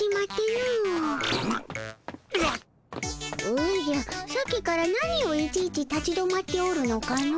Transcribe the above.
おじゃさっきから何をいちいち立ち止まっておるのかの？